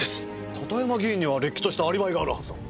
片山議員にはれっきとしたアリバイがあるはずだ。